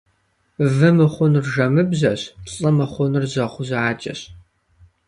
Вы мыхъунур жэмыбжьэщ, лӀы мыхъунур жьэгъу жьакӀэщ.